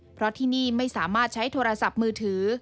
เพราะที่นี่ไม่สามารถใช้โทรศัพท์มือถือ